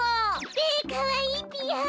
べかわいいぴよ。